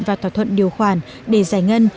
và thỏa thuận điều khoản để giải ngân